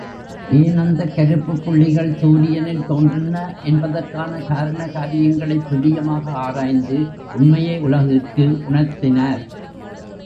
ஏன் அந்தக் கருப்புப் புள்ளிகள் சூரியனில் தோன்றின என்பதற்கான காரண காரியங்களைத் துல்லியமாக ஆராய்ந்து உண்மையை உலகுக்கு உணர்த்தினார்.